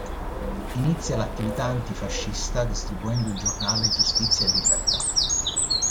Inizia l’attività antifascista distribuendo il giornale "Giustizia e Libertà".